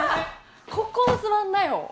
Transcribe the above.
ここに座んなよ。